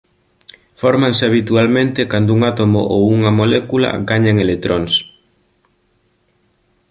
Fórmanse habitualmente cando un átomo ou unha molécula gañan electróns.